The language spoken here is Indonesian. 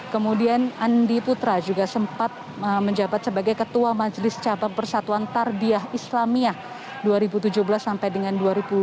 kemudian andi putra juga sempat menjabat sebagai ketua majelis cabang persatuan tardiah islamiyah dua ribu tujuh belas sampai dengan dua ribu dua puluh